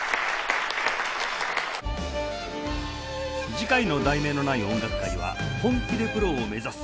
次回の『題名のない音楽会』は本気でプロを目指す！